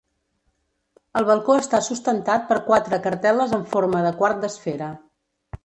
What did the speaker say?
El balcó està sustentat per quatre cartel·les en forma de quart d'esfera.